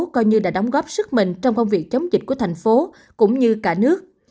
coi như đã đóng góp sức mình trong công việc chống dịch của thành phố cũng như cả nước